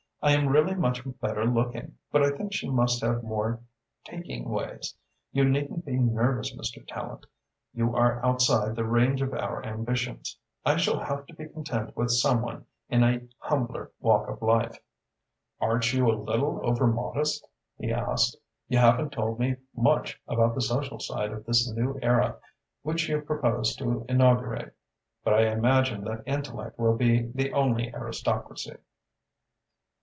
"I am really much better looking, but I think she must have more taking ways. You needn't be nervous, Mr. Tallente. You are outside the range of our ambitions. I shall have to be content with some one in a humbler walk of life." "Aren't you a little over modest?" he asked. "You haven't told me much about the social side of this new era which you propose to inaugurate, but I imagine that intellect will be the only aristocracy."